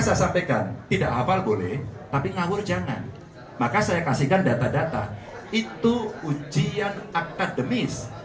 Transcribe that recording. saya sampaikan tidak hafal boleh tapi ngawur jangan maka saya kasihkan data data itu ujian akademis